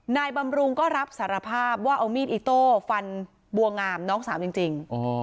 บำรุงก็รับสารภาพว่าเอามีดอิโต้ฟันบัวงามน้องสาวจริง